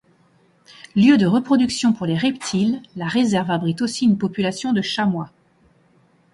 Lieu de reproduction pour les reptiles, la réserve abrite aussi une population de chamois.